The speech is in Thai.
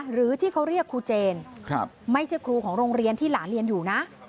หรือที่เขาเรียกครูเจนไม่ใช่ครูของโรงเรียนที่หลานเรียนอยู่นะ